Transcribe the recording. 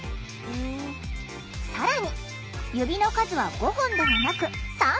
更に指の数は５本ではなく３本！